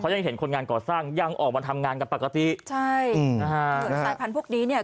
ยังเห็นคนงานก่อสร้างยังออกมาทำงานกันปกติใช่อืมนะฮะส่วนสายพันธุ์นี้เนี่ย